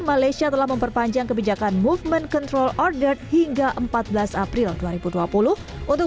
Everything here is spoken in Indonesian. malaysia telah memperpanjang kebijakan movement control order hingga empat belas april dua ribu dua puluh untuk